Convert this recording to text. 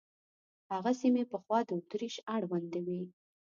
هغه سیمې پخوا د اتریش اړوند وې.